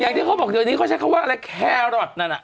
ที่เขาบอกเดี๋ยวนี้เขาใช้คำว่าอะไรแครอทนั่นน่ะ